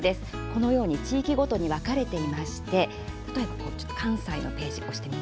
このように地域ごとに分かれていまして例えば関西のページ押してみますね。